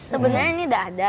sebenarnya ini gak ada